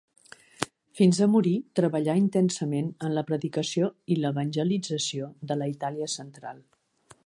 Fins a morir, treballà intensament en la predicació i l'evangelització de la Itàlia central.